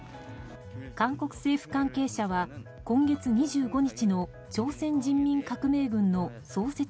韓国政府関係者は今月２５日の朝鮮人民革命軍の創設